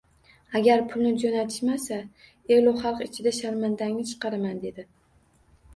Agar pulni jo`natishmasa elu xalq ichida sharmandangni chiqaraman, dedi